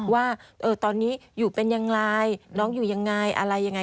ว่าตอนนี้อยู่เป็นอย่างไรน้องอยู่ยังไงอะไรยังไง